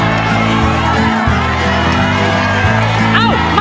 เอ้ามัด